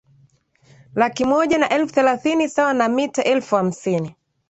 laki moja na elfu thelathini sawa na mita elfu hamsini